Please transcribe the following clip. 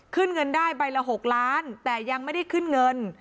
เงินได้ใบละ๖ล้านแต่ยังไม่ได้ขึ้นเงิน